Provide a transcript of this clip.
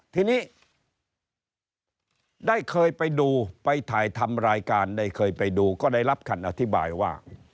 ทีนี้ได้เคยไปดูไปถ่ายทำรายการได้เคยไปดูก็ได้รับคำอธิบายว่า